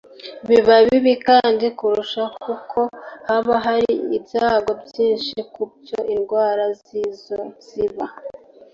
Biba bibi kandi kurushaho kuko haba hari ibyago byinshi byuko indwara nk'izo ziba